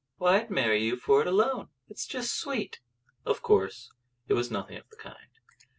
Why, I'd marry you for it alone. It's just sweet!" Of course it was nothing of the kind.